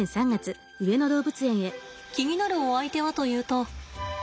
気になるお相手はというと。